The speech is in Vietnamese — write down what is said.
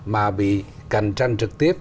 mà bị cạnh tranh trực tiếp